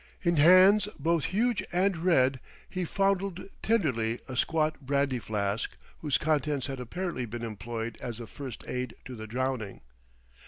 In hands both huge and red he fondled tenderly a squat brandy flask whose contents had apparently been employed as a first aid to the drowning.